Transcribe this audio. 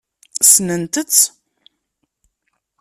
Ssnent-tt?